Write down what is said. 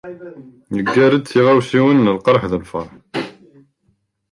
Yeggar-d tiɣawsiwen n lqerḥ d lferḥ.